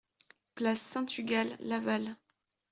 Place Saint-Tugal, Laval